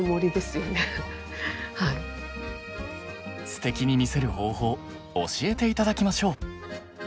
ステキに見せる方法教えて頂きましょう。